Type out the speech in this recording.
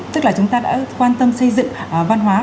tức là chúng ta đã quan tâm xây dựng văn hóa